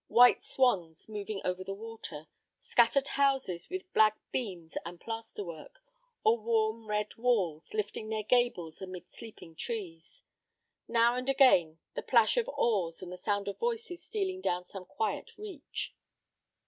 White swans moving over the water; scattered houses with black beams and plaster work, or warm red walls, lifting their gables amid sleeping trees. Now and again the plash of oars and the sound of voices stealing down some quiet "reach."